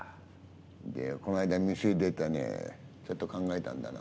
でこの間店出てねちょっと考えたんだな。